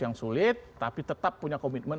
yang sulit tapi tetap punya komitmen